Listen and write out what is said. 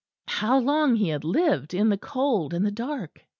How long he had lived in the cold and the dark!